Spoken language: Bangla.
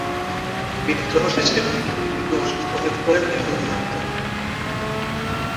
বিদ্রোহ শেষের দিকে, তিনি অসুস্থ হয়ে পড়েন এবং মারা যান।